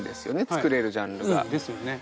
作れるジャンルが。ですよね。